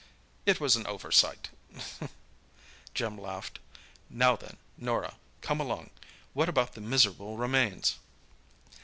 "It was an oversight," Jim laughed. "Now then, Norah, come along. What about the miserable remains?"